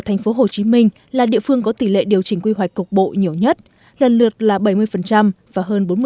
thành phố hồ chí minh là địa phương có tỷ lệ điều chỉnh quy hoạch cục bộ nhiều nhất lần lượt là bảy mươi và hơn bốn mươi